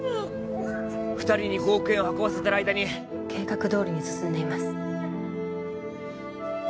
二人に５億円を運ばせてる間に計画どおりに進んでいます